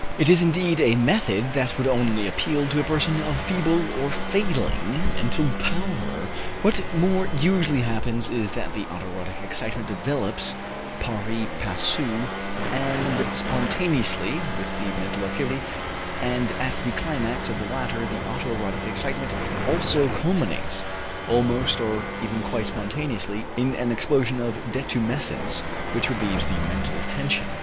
It is indeed a method that would only appeal to a person of feeble or failing mental power. What more usually happens is that the auto erotic excitement develops, pari passu and spontaneously, with the mental activity and at the climax of the latter the auto erotic excitement also culminates, almost or even quite spontaneously, in an explosion of detumescence which relieves the mental tension.